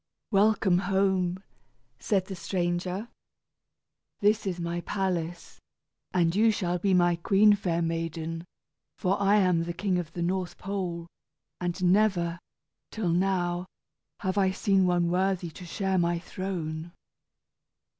"Welcome home!" said the stranger. "This is my palace, and you shall be my queen, fair maiden; for I am the King of the North Pole, and never, till now, have I seen one worthy to share my throne."